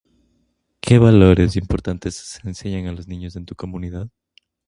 ¿Qué valores importantes se le enseña a los niños en tu comunidad?